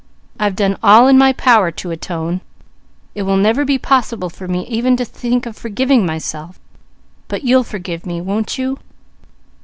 I've done all in my power to atone. It will never be possible for me to think of forgiving myself; but you'll forgive me, won't you?"